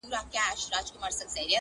o مه ئې واده، مه ئې نوم٫